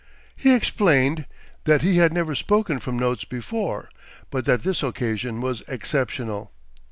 He explained that he had never spoken from notes before, but that this occasion was exceptional.